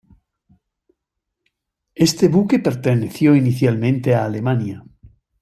Este buque perteneció inicialmente a Alemania.